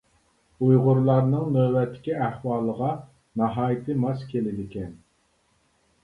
ئۇيغۇرلارنىڭ نۆۋەتتىكى ئەھۋالىغا ناھايىتى ماس كېلىدىكەن.